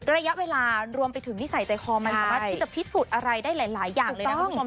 ระยะเวลารวมไปถึงนิสัยใจคอมันสามารถที่จะพิสูจน์อะไรได้หลายอย่างเลยนะคุณผู้ชม